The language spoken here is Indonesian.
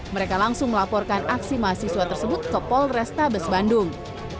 mereka langsung melaporkan aksi mahasiswa tersebut ke polresta besbandung